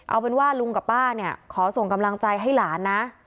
เอาเป็นว่าลุงกับป้าเนี่ยขอส่งกำลังใจให้หลานนะ